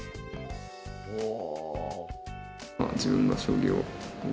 おお。